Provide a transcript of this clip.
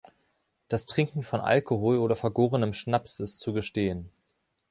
Das Trinken von Alkohol oder vergorenem Schnaps ist zu gestehen.